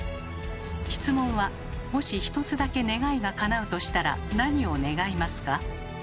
質問は「もし１つだけ願いがかなうとしたら何を願いますか？」。